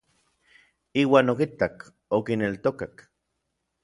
Iuan okitak, okineltokak.